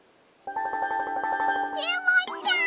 レモンちゃん！